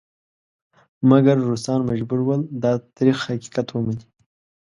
مګر روسان مجبور ول دا تریخ حقیقت ومني.